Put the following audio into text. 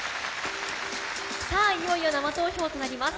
さあ、いよいよ生投票となります。